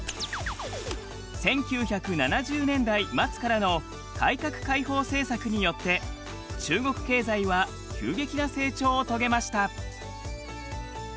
１９７０年代末からの改革開放政策によって中国経済は急激な成長を遂げました。